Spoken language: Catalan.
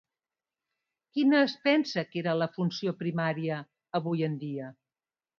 Quina es pensa que era la funció primària avui en dia?